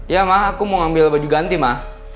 ya ma aku mau ambil baju ganti ma